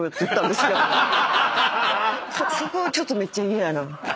そこちょっとめっちゃ嫌やな。